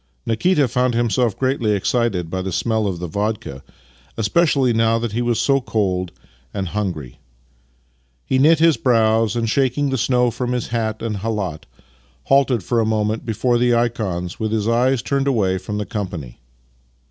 Nikita found himself greatly excited by the smell of the vodka — especially now that he was so cold and hungry. Ke knit his brows and, shaking the snow from his hat and khalat, halted for a moment before the ikons, with his eyes turned away from the com pany.